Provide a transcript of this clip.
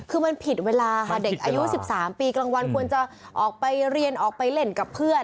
คือมันผิดเวลาค่ะเด็กอายุ๑๓ปีกลางวันควรจะออกไปเรียนออกไปเล่นกับเพื่อน